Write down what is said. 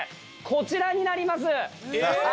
こちらになります！